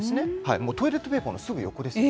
もうトイレットペーパーのすぐ横ですね。